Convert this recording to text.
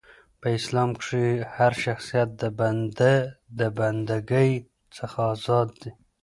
په اسلام کښي هرشخصیت د بنده د بنده ګۍ څخه ازاد دي .